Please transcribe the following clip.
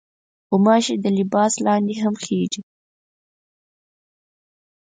غوماشې د لباس لاندې هم خېژي.